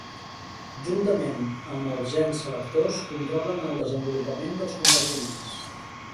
Juntament amb els gens selectors controlen el desenvolupament dels compartiments.